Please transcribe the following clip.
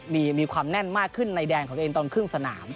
มีความแน่นมากขึ้นในแดนของตัวเองตอนครึ่งสนาม